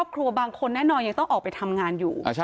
เพราะคนแน่นอนยังต้องออกไปทำงานอยู่